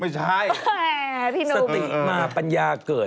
ไม่ใช่พี่นูมสติมาปัญญาเกิด